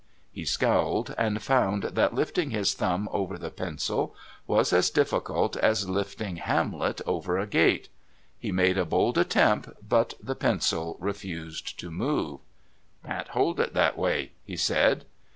He scowled and found that lifting his thumb over the pencil was as difficult as lifting Hamlet over a gate. He made a bold attempt, but the pencil refused to move. "Can't hold it that way," he said.